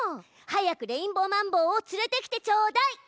早くレインボーマンボウを連れてきてちょうだい！